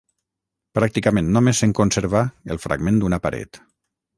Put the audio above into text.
Pràcticament només se'n conserva el fragment d'una paret.